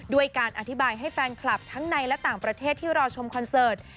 ด้วยการอธิบายให้แฟนคลับทั้งในและต่างประเทศที่รอชมคอนเสิร์ต